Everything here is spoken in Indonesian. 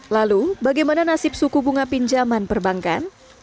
lalu bagaimana nasib suku bunga pinjaman perbankan